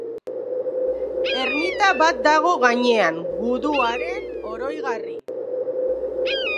Ermita bat dago gainean gudu haren oroigarri.